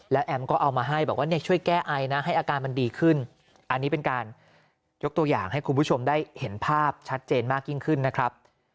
แล้วแอมก็เอามาให้บอกว่าเนี่ยช่วยแก้ไอนะให้อาการมันดีขึ้นอันนี้เป็นการยกตัวอย่างให้คุณผู้ชมได้เห็นภาพชัดเจนมากยิ่งขึ้นนะครับ